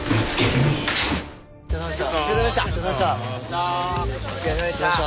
お疲れさまでした。